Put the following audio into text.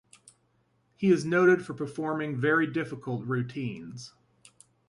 He is noted for performing very difficult routines.